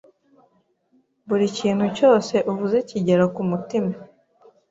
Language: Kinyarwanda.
Buri kintu cyose uvuze kigera kumutima.